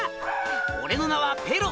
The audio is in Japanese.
「俺の名はペロ！